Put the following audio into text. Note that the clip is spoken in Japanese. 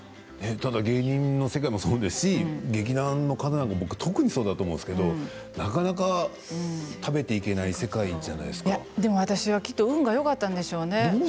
ただ芸人の世界もそうですし劇団の方は特にそうだと思うんですけれどもなかなか食べていけない世界じゃでも私は運がよかったんでしょうね。